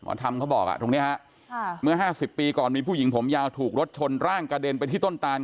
ทำเขาบอกอ่ะตรงนี้ฮะเมื่อ๕๐ปีก่อนมีผู้หญิงผมยาวถูกรถชนร่างกระเด็นไปที่ต้นตาน